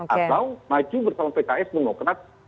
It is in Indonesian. atau maju bersama pks demokrat